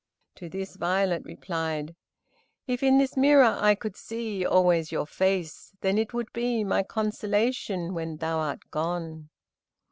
To this Violet replied: "If in this mirror I could see, Always your face, then it would be My consolation when thou art gone."